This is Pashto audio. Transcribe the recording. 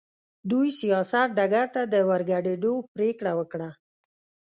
دوی سیاست ډګر ته د ورګډېدو پرېکړه وکړه.